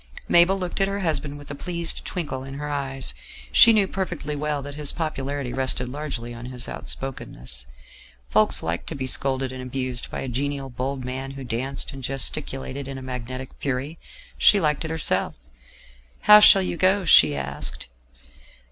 Mabel looked at her husband with a pleased twinkle in her eyes. She knew perfectly well that his popularity rested largely on his outspokenness: folks liked to be scolded and abused by a genial bold man who danced and gesticulated in a magnetic fury; she liked it herself. "How shall you go?" she asked.